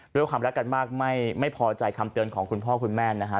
ด้วยความรักกันมากไม่พอใจคำเตือนของคุณพ่อคุณแม่นะฮะ